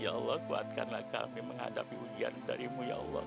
ya allah kuatkanlah kami menghadapi ujian darimu ya allah